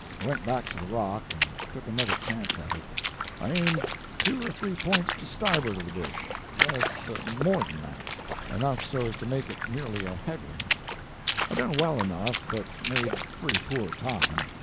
I went back to the rock and took another chance at it. I aimed two or three points to starboard of the bush—yes, more than that—enough so as to make it nearly a head wind. I done well enough, but made pretty poor time.